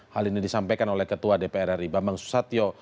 hal ini disampaikan oleh ketua dpr ri bambang susatyo